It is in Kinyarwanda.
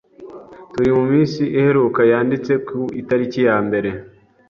turi mu munsi iheruka yanditse ku itariki ya mbere.